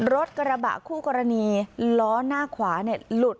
รถกระบะคู่กรณีล้อหน้าขวาหลุด